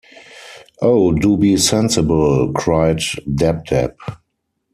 “Oh, do be sensible!” cried Dab-Dab.